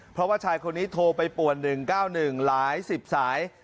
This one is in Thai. เพราะว่าชายคนนี้โทรไปป่วน๑๙๑หลาย๑๐สาย